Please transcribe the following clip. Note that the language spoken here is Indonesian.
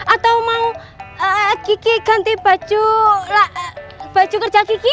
atau mau gigi ganti baju kerja gigi